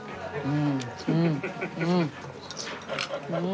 うん。